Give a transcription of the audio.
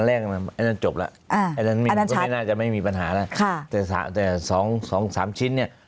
อันนั้นจบแล้วอันนั้นน่าจะไม่มีปัญหาแล้วแต่๒๓ชิ้นเนี่ย